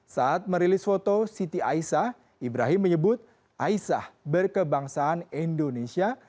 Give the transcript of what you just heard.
saat merilis foto siti aisah ibrahim menyebut aisah berkebangsaan indonesia